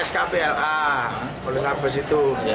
nah kalau sampai situ